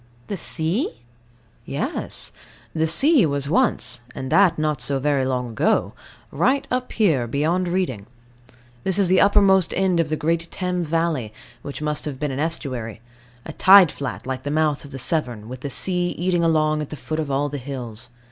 The sea? Yes. The sea was once and that not so very long ago right up here, beyond Reading. This is the uppermost end of the great Thames valley, which must have been an estuary a tide flat, like the mouth of the Severn, with the sea eating along at the foot of all the hills.